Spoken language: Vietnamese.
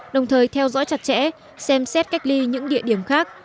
đồng thời theo dõi chặt chẽ xem xét cách ly những địa điểm khác